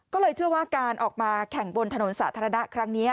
ก็เลยเชื่อว่าการออกมาแข่งบนถนนสาธารณะครั้งนี้